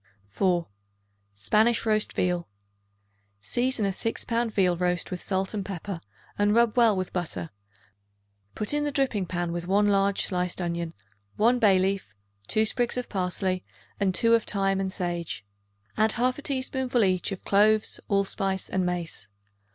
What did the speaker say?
4. Spanish Roast Veal. Season a 6 pound veal roast with salt and pepper and rub well with butter; put in the dripping pan with one large sliced onion, 1 bay leaf, 2 sprigs of parsley and 2 of thyme and sage. Add 1/2 teaspoonful each of cloves, allspice and mace.